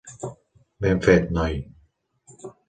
Ben fet, noi!